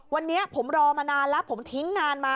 วันนี้ผมรอมานานแล้วผมทิ้งงานมา